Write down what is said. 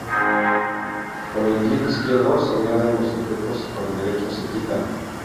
Con el click izquierdo se añaden los objetos y con el derecho se quitan.